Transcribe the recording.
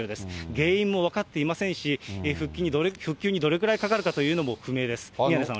原因も分かっていませんし、復旧にどれぐらいかかるかというのも不明です。